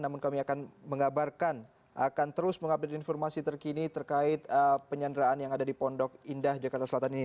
namun kami akan mengabarkan akan terus mengupdate informasi terkini terkait penyanderaan yang ada di pondok indah jakarta selatan ini